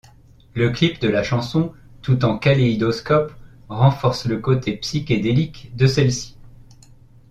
Le clip de la chanson, tout en kaléidoscopes, renforce le côté psychédélique de celle-ci.